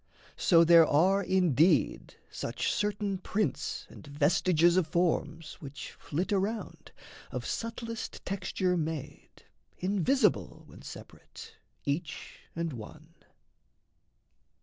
So there are indeed Such certain prints and vestiges of forms Which flit around, of subtlest texture made, Invisible, when separate, each and one.